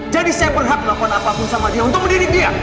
jadi saya berhak melakukan apapun sama dia untuk mendidik dia